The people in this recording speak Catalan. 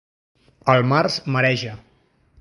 El març mareja.